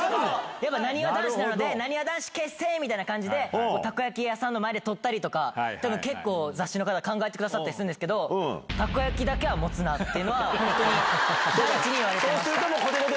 やっぱ、なにわ男子なので、なにわ男子結成みたいな感じで、たこ焼き屋さんの前で撮ったりとか、結構、雑誌の方、考えてくださったりするんですけど、たこ焼きだけは持つなっていうのは、本当に言われてました。